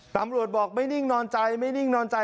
ตำรวจบอกไม่นิ่งนอนใจไม่นิ่งนอนใจ